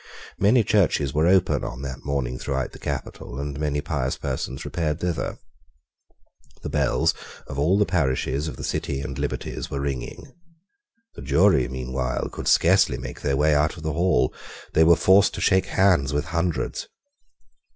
Many churches were open on that morning throughout the capital; and many pious persons repaired thither. The bells of all the parishes of the City and liberties were ringing. The jury meanwhile could scarcely make their way out of the hall. They were forced to shake hands with hundreds.